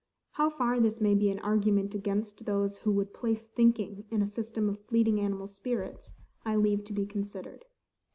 How far this may be an argument against those who would place thinking in a system of fleeting animal spirits, I leave to be considered.